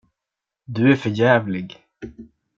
Du är för jävlig.